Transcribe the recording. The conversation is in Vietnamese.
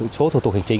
số thủ tục hành chính